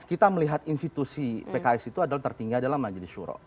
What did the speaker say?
kita melihat institusi pks itu adalah tertinggi adalah majelis syuroh